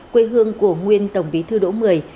quê hương của nguyên tổng bí thư đỗ mười